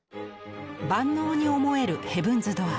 万能に思える「ヘブンズ・ドアー」。